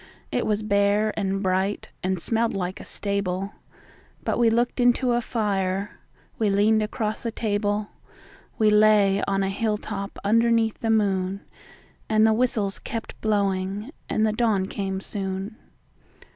It was bare and bright, and smelled like a stable But we looked into a fire, we leaned across a table, We lay on a hilltop underneath the moon; And the whistles kept blowing, and the dawn came soon.